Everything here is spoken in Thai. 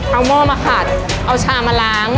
เอาหม้อมาขัดเอาชามาล้าง